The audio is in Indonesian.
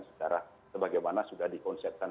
secara sebagaimana sudah dikonseptkan